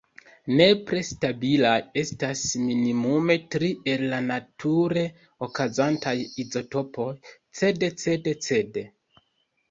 Nepre stabilaj estas minimume tri el la nature okazantaj izotopoj: Cd, Cd, Cd.